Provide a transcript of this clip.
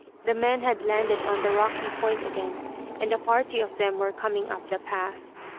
The men had landed on the rocky point again, and a party of them were coming up the path.